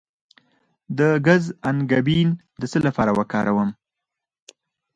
د ګز انګبین د څه لپاره وکاروم؟